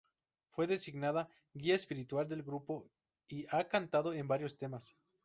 Fue designada "guía espiritual" del grupo y ha cantado en varios temas.